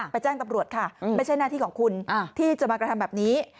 แจ้งตำรวจค่ะไม่ใช่หน้าที่ของคุณที่จะมากระทำแบบนี้